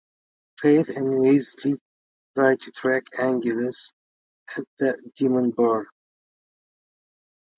Faith and Wesley try to track Angelus at the demon bar.